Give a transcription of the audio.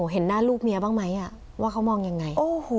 เห็นหน้าลูกเมียบ้างไหมว่าเขามองยังไง